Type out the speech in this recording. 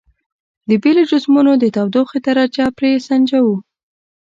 د بیلو جسمونو د تودوخې درجه پرې سنجوو.